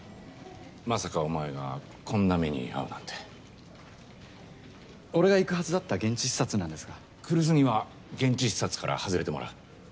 まさかお前がこんな目に遭うなんて俺が行くはずだった現地視察なんですが来栖には現地視察から外れてもらう。